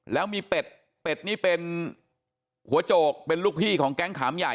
แล้วมีเป็ดเป็ดนี่เป็นหัวโจกเป็นลูกพี่ของแก๊งขามใหญ่